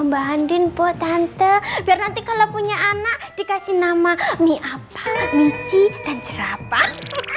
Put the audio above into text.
mbak andin buat tante biar nanti kalau punya anak dikasih nama miapa michi dan serapah